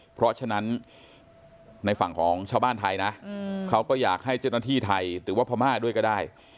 เพราะฉะนั้นในฝั่งของชาวบ้านไทยนะเขาก็อยากให้เจ้าหน้าที่ไทยหรือว่าพม่าด้วยก็ได้